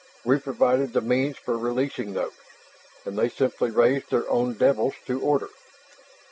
We provided the means for releasing those, and they simply raised their own devils to order.